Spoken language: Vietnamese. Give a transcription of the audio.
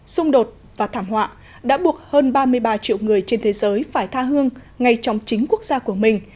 xung đột và thảm họa đã buộc hơn ba mươi ba triệu người trên thế giới phải tha hương ngay trong chính quốc gia của mình